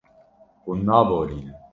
Hûn naborînin.